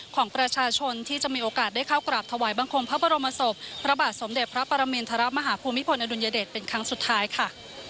ของประชาชนที่จะมีโอกาสได้เข้ากราบถวายบังคมพระบรมศพพระบาทสมเด็จพระปรมินทรมาฮภูมิพลอดุลยเดชเป็นครั้งสุดท้ายค่ะ